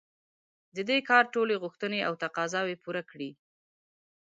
د دې کار ټولې غوښتنې او تقاضاوې پوره کړي.